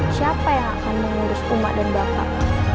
siapa yang akan mengurus uma dan bapak